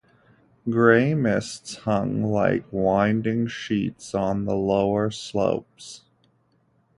Grey mists hung like winding-sheets on the lower slopes.